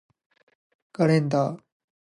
カレンダー